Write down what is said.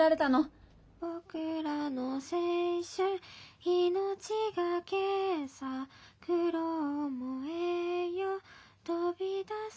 「僕らの青春命がけさ苦労も栄養飛び出すぞ！！」